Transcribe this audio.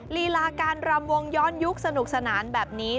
ลีลาการรำวงย้อนยุคสนุกสนานแบบนี้